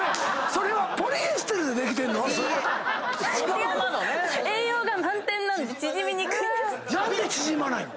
それは。何で縮まないの？